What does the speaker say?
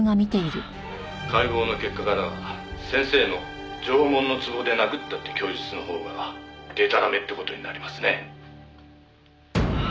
「解剖の結果からは先生の縄文の壺で殴ったって供述のほうがでたらめって事になりますね」